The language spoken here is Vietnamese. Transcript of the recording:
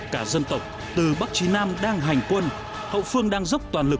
cả dân tộc từ bắc chí nam đang hành quân hậu phương đang dốc toàn lực